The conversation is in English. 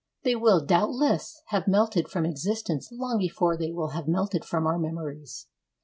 They will doubtless have melted from existence long before they will have melted from our memories.